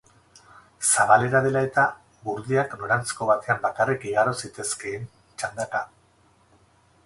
Zabalera dela eta, gurdiak noranzko batean bakarrik igaro zitezkeen, txandaka.